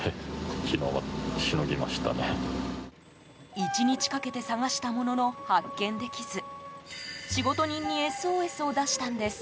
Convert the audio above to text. １日かけて捜したものの発見できず仕事人にＳＯＳを出したんです。